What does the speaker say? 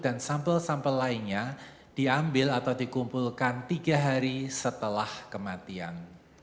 dan sampel sampel lainnya diambil atau dikumpulkan tiga hari setelah kematian